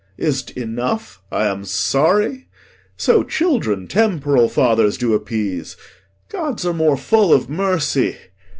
Is't enough I am sorry? So children temporal fathers do appease; Gods are more full of mercy.